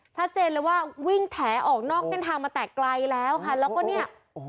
ชัดเจนเลยว่าวิ่งแถออกนอกเส้นทางมาแต่ไกลแล้วค่ะแล้วก็เนี่ยโอ้โห